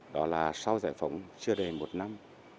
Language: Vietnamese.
đó là sau giải phóng chưa đầy một năm